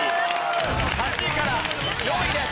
８位から４位です。